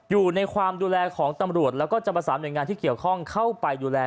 อยู่ในความดูแลของตำรวจแล้วก็จะประสานหน่วยงานที่เกี่ยวข้องเข้าไปดูแล